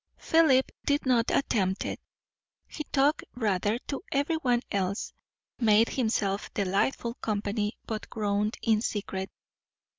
Philip did not attempt it. He talked rather to every one else; made himself delightful company; but groaned in secret.